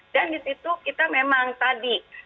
dan disitu kita memang tadi